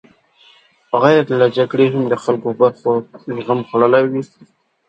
بغیر له جګړې هم د خلکو برخو زخم خوړلی وي.